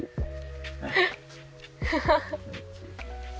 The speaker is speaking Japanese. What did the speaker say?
ハハハッ。